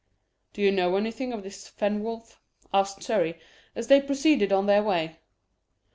"Do you know anything of this Fenwolf?" asked Surrey, as they proceeded on their way.